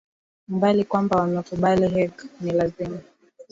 umbali kwamba wamekumbali hague ni lazma